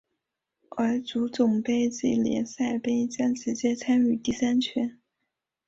而足总杯及联赛杯将直接参与第三圈。